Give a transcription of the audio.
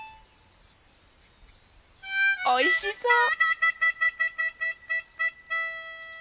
おいしそう。